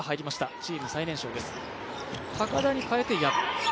チーム最年少です。